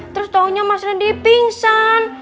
terus taunya mas rendi pingsan